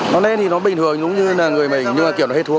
nó lên thì nó bình thường như là người mình nhưng mà kiểu nó hết thuốc